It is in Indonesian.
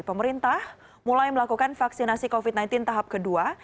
pemerintah mulai melakukan vaksinasi covid sembilan belas tahap kedua